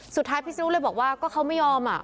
สุดท้ายพิศนุบอกว่าเขาไม่ยอมอะ